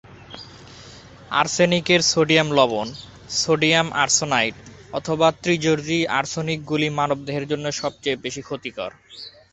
আর্সেনিকের sodium লবণ, sodium arsenite অথবা ত্রিযোজী আর্সেনিকগুলি মানবদেহের জন্য সবচেয়ে ক্ষতিকর।